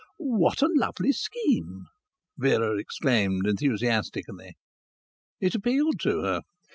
"What a lovely scheme!" Vera exclaimed enthusiastically. It appealed to her.